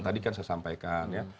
tadi kan saya sampaikan ya